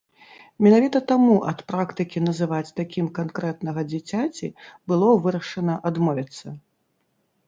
Менавіта таму ад практыкі называць такім канкрэтнага дзіцяці было вырашана адмовіцца.